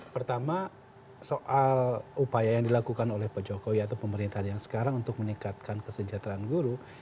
pertama soal upaya yang dilakukan oleh pak jokowi atau pemerintahan yang sekarang untuk meningkatkan kesejahteraan guru